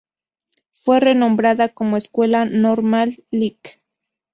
Fue renombrada como Escuela Normal "Lic.